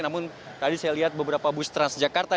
namun tadi saya lihat beberapa bus transjakarta